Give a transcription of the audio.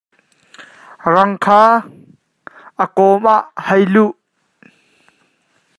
Rang kha a kawm ah hei luh.